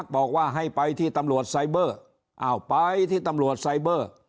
บอกว่าให้ไปที่ตำรวจไซเบอร์อ้าวไปที่ตำรวจไซเบอร์